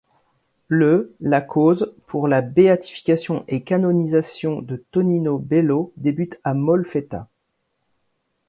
Le la cause pour la béatification et canonisation de Tonino Bello débute à Molfetta.